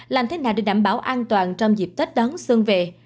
làm thế nào để đảm bảo an toàn trong dịp tết đón xuân về